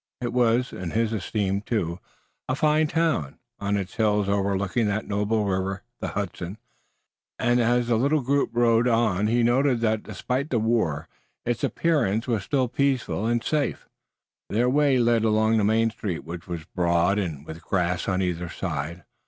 It was, in his esteem, too, a fine town, on its hills over looking that noble river, the Hudson, and as the little group rode on he noted that despite the war its appearance was still peaceful and safe. Their way led along the main street which was broad and with grass on either side.